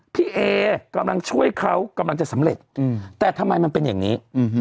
พี่เอกำลังช่วยเขากำลังจะสำเร็จแต่ทำไมมันเป็นอย่างนี้